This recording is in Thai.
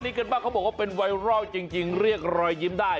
นี่กันบ้างเขาบอกว่าเป็นไวรัลจริงเรียกรอยยิ้มได้